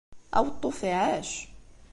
Aweṭṭuf iɛac!